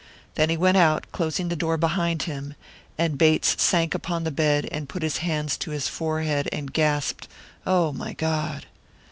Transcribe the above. Then he went out, closing the door behind him; and Bates sank upon the bed and put his hands to his forehead and gasped, "Oh, my God."